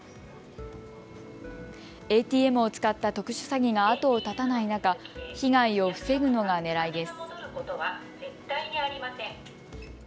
ＡＴＭを使った特殊詐欺が後を絶たない中、被害を防ぐのがねらいです。